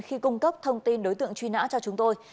khi cung cấp thông tin đối tượng truy nã cho chúng tôi